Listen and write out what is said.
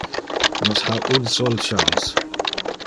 Nos ha un sol chance.